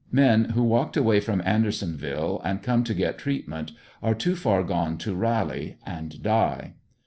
Men who walked away from Andersonville, and come to get treatment, are too far gone to rally, and die.